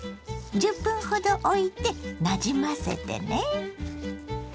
１０分ほどおいてなじませてね。